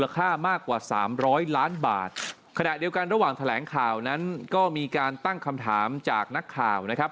ขณะเดียวกันระหว่างแถลงข่าวนั้นก็มีการตั้งคำถามจากนักข่าวนะครับ